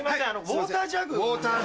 ウオータージャグ。